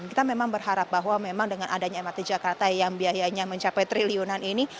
dan kita memang berharap bahwa memang dengan adanya mrt jakarta yang biayanya mencapai triliunan ini